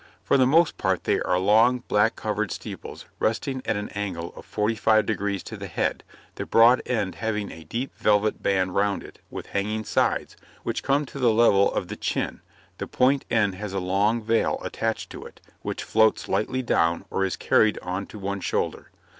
For the most part they are long, black covered steeples, resting at an angle of forty five degrees to the head, the broad end having a deep velvet band round it, with hanging sides, which come to the level of the chin; the point end has a long veil attached to it, which floats lightly down, or is carried on to one shoulder.